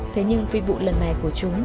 thế nhưng phi vụ lần này của chúng